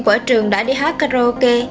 của trường đã đi hát karaoke